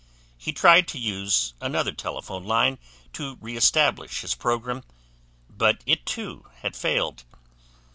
He tried to use another telephone line to reestablish his program, but it too had failed.